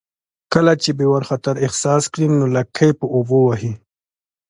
کله چې بیور خطر احساس کړي نو لکۍ په اوبو وهي